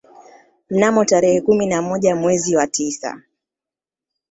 Mnamo tarehe kumi na moja mwezi wa tisa